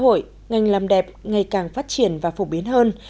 trong lĩnh vực xã hội ngành làm đẹp ngày càng phát triển và phổ biến hơn